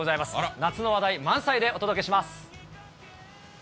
夏の話題満載でお届けします。